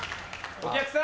お客さん。